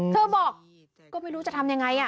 เธอบอกก็ไม่รู้จะทำยังไง